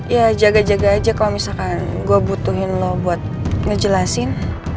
ya jaga jaga aja kalau misalkan gue butuhin lo buat ngejelasin